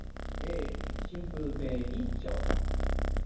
春風亭一朝と申します。